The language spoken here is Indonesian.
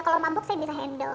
kalau mabuk saya bisa handle